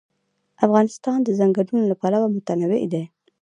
افغانستان د ځنګلونه له پلوه متنوع دی.